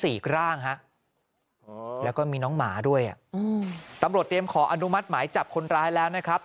อีกร่างฮะแล้วก็มีน้องหมาด้วยอ่ะอืมตำรวจเตรียมขออนุมัติหมายจับคนร้ายแล้วนะครับ